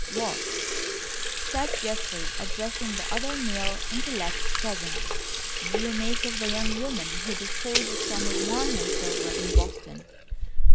"What," said Geoffrey, addressing the other male intellect present, "do you make of the young woman who disposed of some of the Marheim silver in Boston?"